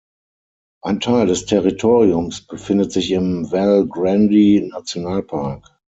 Ein Teil des Territoriums befindet sich im Val-Grande-Nationalpark.